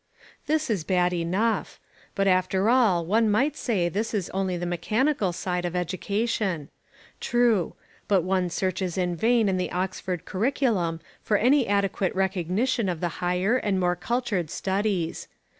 This is bad enough. But after all one might say this is only the mechanical side of education. True: but one searches in vain in the Oxford curriculum for any adequate recognition of the higher and more cultured studies.